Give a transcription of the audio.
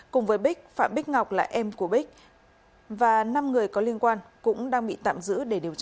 cùng với bích phạm bích ngọc là em của bích và năm người có liên quan cũng đang bị tạm giữ để điều tra